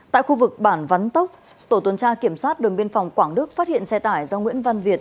tại khu vực bản văn tốc tổ tuần tra kiểm soát đồn biên phòng quảng đức phát hiện xe tải do nguyễn văn việt